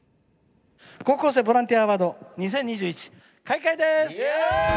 高校生ボランティアアワード２０２１開会です！